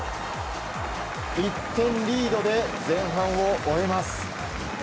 １点リードで前半を終えます。